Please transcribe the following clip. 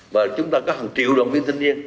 và chúng ta có hàng triệu đoàn viên thanh niên